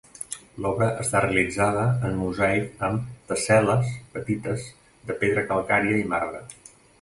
L'obra està realitzada en mosaic amb tessel·les petites de pedra calcària i marbre.